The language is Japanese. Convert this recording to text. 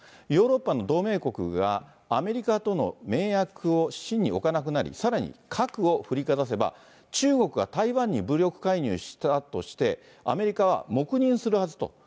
ヨーロッパの同盟国がアメリカとの盟約に信に置かなくなり、さらに核を振りかざせば、中国が台湾に武力介入したとして、アメリカは黙認するはずと。